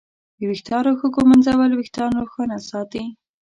د ویښتانو ښه ږمنځول وېښتان روښانه ساتي.